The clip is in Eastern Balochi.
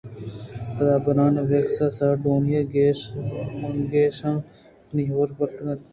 پدا برن ویکس ءُسارڈونی ءِ گیش ءُمانگیشاں منی ہوش برتگ اَت